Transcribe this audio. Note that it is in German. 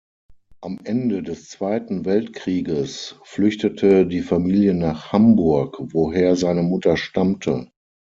Am Ende des Zweiten Weltkrieges flüchtete die Familie nach Hamburg, woher seine Mutter stammte.